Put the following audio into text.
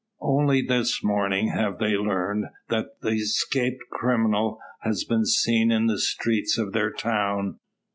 Only this morning have they learnt that the escaped criminal has been seen in the streets of their town.